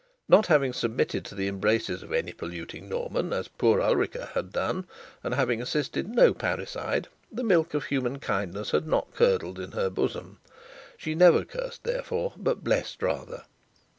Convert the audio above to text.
Not having submitted to the embraces of any polluting Normans, as poor Ulrica had done, and having assisted no parricide, the milk of human kindness was not curdled in her bosom. She never cursed, therefore, but blessed rather.